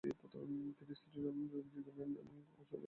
তিনি শ্রীশ্রীমার কাছে দীক্ষা নেন, সন্ন্যাসের বস্ত্র ও আশীর্বাদ লাভ করেন।